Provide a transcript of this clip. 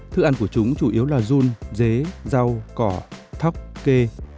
thức ăn của chúng chủ yếu là run dế rau cỏ thóc kê